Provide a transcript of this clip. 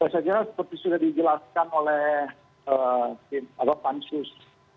saya kira seperti sudah dijelaskan oleh tim atau pansus